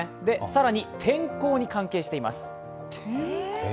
更に、天候に関係しています。